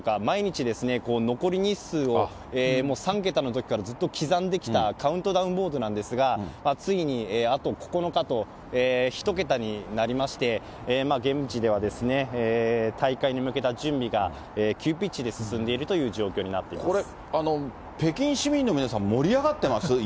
毎日ですね、残り日数を、もう３桁のときからずっと刻んできたカウントダウンボードなんですが、ついにあと９日と、１桁になりまして、現地では大会に向けた準備が急ピッチで進んでいるという状況になこれ、北京市民の皆さん、盛り上がってます？